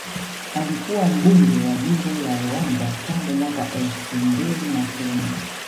Alikuwa mbunge wa jimbo la Ruangwa tangu mwaka elfu mbili na kumi